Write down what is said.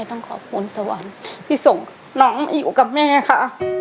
ต้องขอบคุณสวรรค์ที่ส่งน้องมาอยู่กับแม่ค่ะ